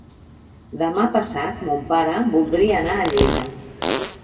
Demà passat mon pare voldria anar a Lleida.